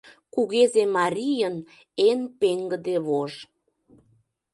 Кугезе марийын эн пеҥгыде вож.